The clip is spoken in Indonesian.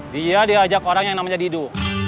dia diajak orang yang namanya didu